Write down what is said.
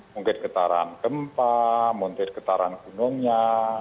mungkin getaran gempa mungkin getaran gunungnya